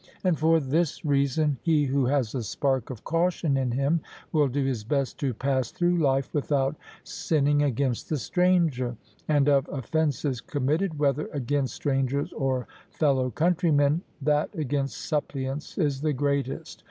And for this reason, he who has a spark of caution in him, will do his best to pass through life without sinning against the stranger. And of offences committed, whether against strangers or fellow countrymen, that against suppliants is the greatest.